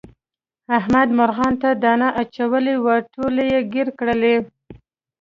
احمد مرغانو ته دانه اچولې وه ټولې یې ګیر کړلې.